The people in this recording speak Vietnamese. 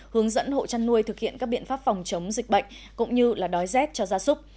hướng dẫn hộ chăn nuôi thực hiện các biện pháp phòng chống dịch bệnh cũng như đói rét cho gia súc